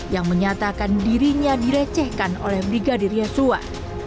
yang menyatakan dirinya direcehkan oleh brigadir yosua